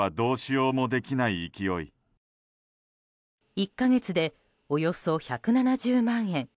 １か月で、およそ１７０万円。